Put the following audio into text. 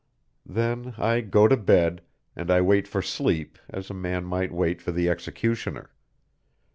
Then, I go to bed, and I wait for sleep as a man might wait for the executioner.